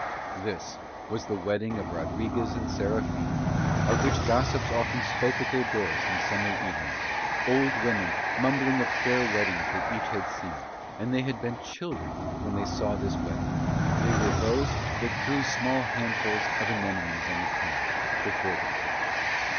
This was the wedding of Rodriguez and Serafina, of which gossips often spoke at their doors in summer evenings, old women mumbling of fair weddings that each had seen; and they had been children when they saw this wedding; they were those that threw small handfuls of anemones on the path before the porch.